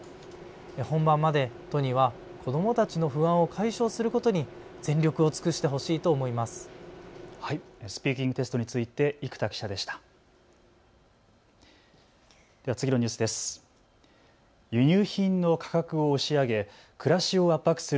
本番まで都には子どもたちの不安を解消することに全力を尽くしてほしいと思います。